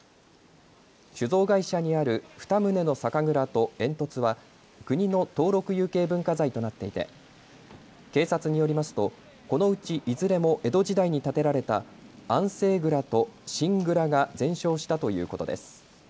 酒造会社にある２棟の酒蔵と煙突は国の登録有形文化財となっていて警察によりますとこのうちいずれも江戸時代に建てられた安政蔵と新蔵が全焼したということです。